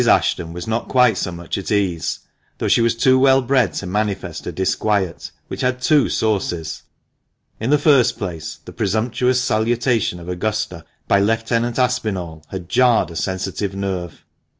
Ashton was not quite so much at ease, though she was too well bred to manifest her disquiet, which had two sources. In the first place, the presumptious salutation of Augusta by Lieutenant Aspinall had jarred a sensitive nerve.